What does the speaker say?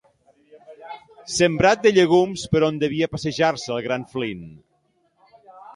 Sembrat de llegums per on devia passejar-se el gran Flynn.